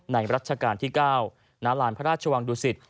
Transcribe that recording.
รัชกาลที่๙ณลานพระราชวังดุสิต